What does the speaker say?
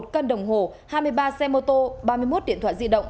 một cân đồng hồ hai mươi ba xe mô tô ba mươi một điện thoại di động